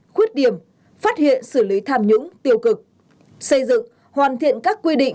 khuyết điểm phát hiện xử lý tham nhũng tiêu cực xây dựng hoàn thiện các quy định